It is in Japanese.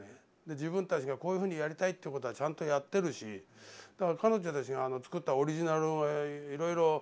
自分たちがこういうふうにやりたいってことはちゃんとやってるし彼女たちが作ったオリジナルもいろいろありますよ。